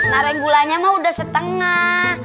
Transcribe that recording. nareng gulanya mah udah setengah